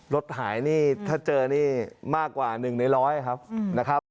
รถหายนี่ถ้าเจอนี่มากกว่าหนึ่งในร้อยครับอืมนะครับ